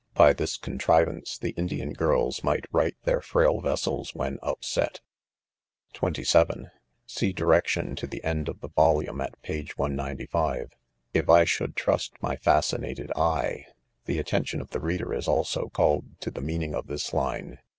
By this contri ^30 NOTES. * vaace the Indian girls can right their frail vessels when upset, '(27) See direction, to the end of the volume at page 195. If I should trust my fascinated hjc, — the attention of the reader is also called to the meaning of this line.